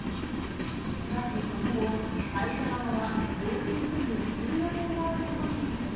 しかしその後、会社側は領収書に不審な点があることに気付き